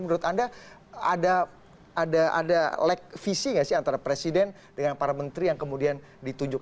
menurut anda ada lag visi gak sih antara presiden dengan para menteri yang kemudian ditunjuk